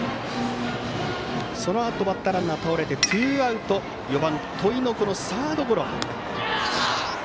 そのあとバッターランナー倒れてツーアウトで４番、戸井はサードゴロ。